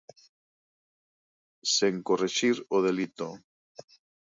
Sen corrixir o delito.